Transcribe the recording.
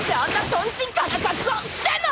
とんちんかんな格好してんの！